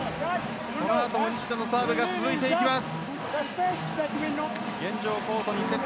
西田のサーブが続いていきます。